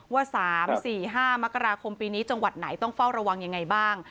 ว่า๓๔๕มกราคมปีนี้จังหวัดไหนต้องเฝ้าระวังยังไงบ้าง